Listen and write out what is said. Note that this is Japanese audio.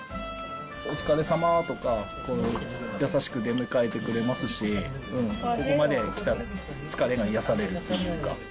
お疲れさまとか、優しく出迎えてくれますし、ここまで来た疲れが癒やされるっていうか。